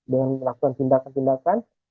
dengan melakukan tindakan tindakan